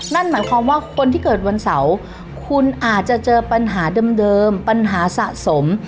นั่นหมายความว่าคนที่เกิดวันเสาร์คุณอาจจะเจอปัญหาเดิมปัญหาสะสม